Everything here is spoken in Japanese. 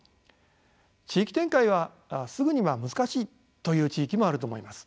地域展開はすぐには難しいという地域もあると思います。